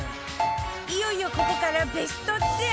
いよいよここからベスト１０